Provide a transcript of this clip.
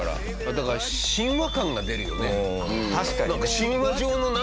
だから神話感が出るよね。